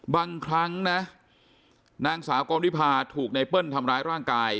บางครั้งนะนางสาวกองริพาถูกไนเปิ้ลทำร้ายร่างกาย